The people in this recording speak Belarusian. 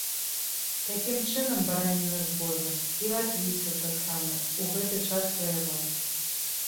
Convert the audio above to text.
Такім чынам, барані нас божа, і латвійцаў таксама, у гэты час ваяваць.